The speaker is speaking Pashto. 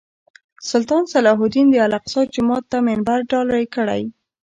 سلطان صلاح الدین د الاقصی جومات ته منبر ډالۍ کړی.